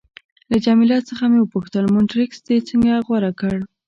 له جميله څخه مې وپوښتل: مونټریکس دې څنګه غوره کړ؟